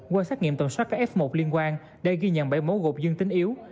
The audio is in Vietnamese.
qua xét nghiệm tầm soát các f một liên quan đây ghi nhận bảy mẫu gột dương tính yếu